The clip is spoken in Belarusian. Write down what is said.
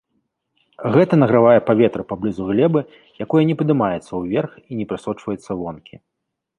Гэта награвае паветра паблізу глебы, якое не падымаецца ўверх і не прасочваецца вонкі.